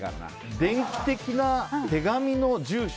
電気的な手紙の住所。